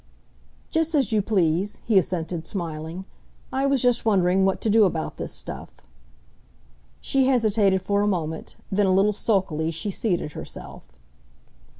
"Just as you please," he assented, smiling. "I was just wondering what to do about this stuff." She hesitated for a moment, then a little sulkily she seated herself.